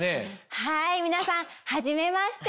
はい皆さんはじめまして。